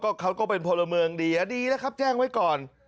เขาก็เป็นพลเมืองดีแล้วครับแจ้งไว้ก่อน